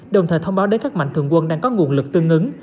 đồng thời thông báo đến các mạnh thường quân đang có nguồn lực tương ứng